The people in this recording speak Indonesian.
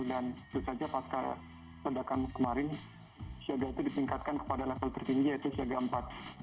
dan tentu saja pasca ledakan kemarin siada itu ditingkatkan kepada level tertinggi yaitu siada empat